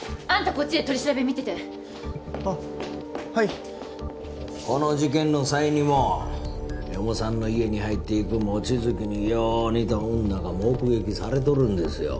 こっちで取り調べ見ててあっはいこの事件の際にも四方さんの家に入っていく望月によう似た女が目撃されとるんですよ